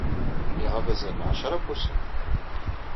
Iɣab azal n ɛecṛa n wussan.